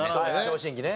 聴診器ね。